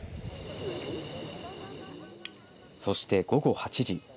そして、午後８時。